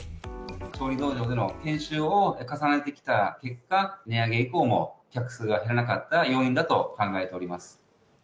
調理道場での研修を重ねてきた結果、値上げ以降も客数が減らなかった要因だと考えております。